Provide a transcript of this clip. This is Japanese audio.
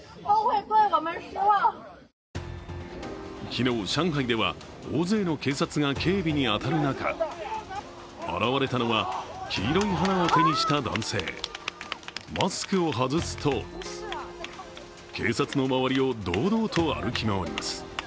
昨日、上海では、大勢の警察が警備に当たる中現れたのは黄色い花を手にした男性、マスクを外すと警察の周りを堂々と歩き回ります。